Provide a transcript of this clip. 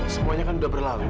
semuanya kan udah berlalu